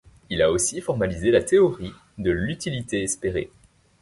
Il a aussi formalisé la théorie de l'utilité espérée.